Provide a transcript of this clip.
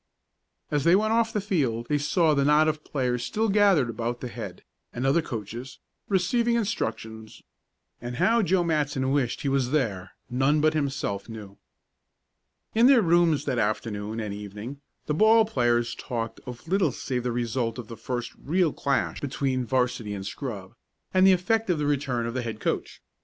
As they went off the field they saw the knot of players still gathered about the head, and other coaches, receiving instructions, and how Joe Matson wished he was there none but himself knew. In their rooms that afternoon and evening the ball players talked of little save the result of the first real clash between 'varsity and scrub, and the effect of the return of the head coach.